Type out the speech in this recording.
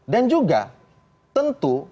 dan juga tentu